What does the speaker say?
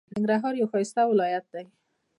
ننګرهار یو ښایسته ولایت دی.